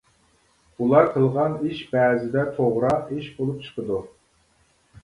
ئۇلار قىلغان ئىش بەزىدە توغرا ئىش بولۇپ چىقىدۇ.